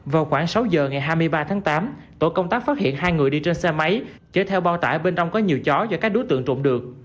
vào khoảng sáu giờ ngày hai mươi ba tháng tám tổ công tác phát hiện hai người đi trên xe máy chở theo bao tải bên trong có nhiều chó do các đối tượng trộm được